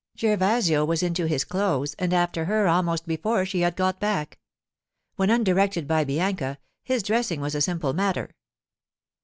Gervasio was into his clothes and after her almost before she had got back. When undirected by Bianca, his dressing was a simple matter.